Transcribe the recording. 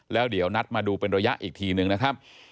แล้วเดี๋ยวนัดมาดูเป็นระยะอีกทีหนึ่งนะครับ